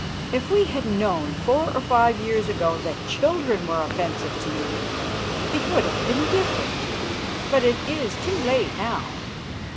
If we had known four or five years ago that children were offensive to you, it would have been different. But it is too late now.